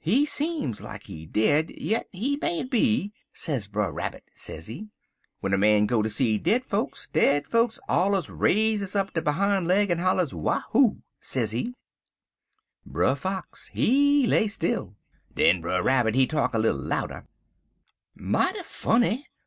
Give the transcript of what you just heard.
He seem like he dead, yit he mayn't be,' sez Brer Rabbit, sezee. 'W'en a man go ter see dead fokes, dead fokes allers raises up der behime leg en hollers, wahoo!' sezee. "Brer Fox he stay still. Den Brer Rabbit he talk little louder: "'Mighty funny.